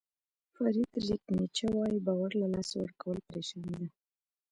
فریدریک نیچه وایي باور له لاسه ورکول پریشاني ده.